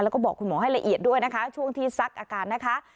แล้วก็บอกคุณหมอให้ละเอียดด้วยนะคะช่วงที่ซักอาการนะคะ